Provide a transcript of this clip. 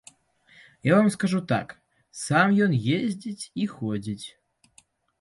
Я вам скажу так, сам ён ездзіць і ходзіць.